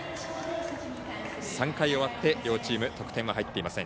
３回終わって、両チーム得点入っていません。